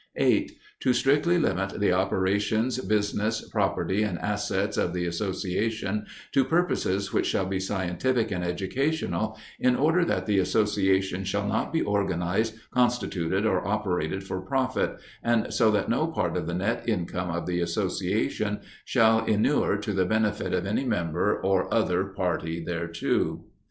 8. To strictly limit the operations, business, property, and assets of the association to purposes which shall be scientific and educational, in order that the association shall not be organized, constituted, or operated for profit, and so that no part of the net income of the association shall inure to the benefit of any member or other party thereto.